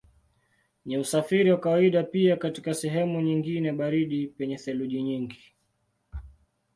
Ni usafiri wa kawaida pia katika sehemu nyingine baridi penye theluji nyingi.